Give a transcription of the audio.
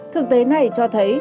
thực tế này cho thấy